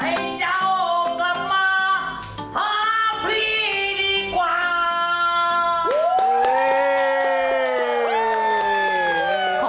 ให้เจ้ากลับมาหาพี่ดีกว่า